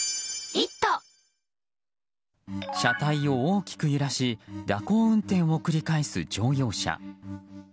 車体を大きく揺らし蛇行運転を繰り返す乗用車。